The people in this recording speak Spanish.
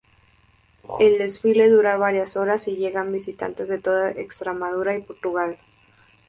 El desfile dura varias horas y llegan visitantes de toda Extremadura y Portugal.